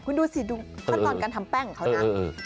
คุณดูสิดูขั้นตอนการทำแป้งของเขานะ